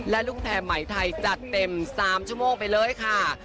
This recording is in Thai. และลูกแท้ไหมไทยจัดเต็ม๓ชั่วโมงไปเลยค่ะ